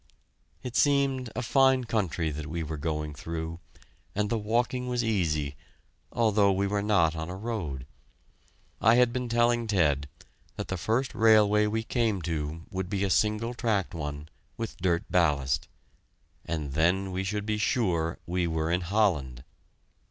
It seemed to be a fine country that we were going through, and the walking was easy, although we were not on a road. I had been telling Ted that the first railway we came to would be a single tracked one, with dirt ballast, and then we should be sure we were in Holland.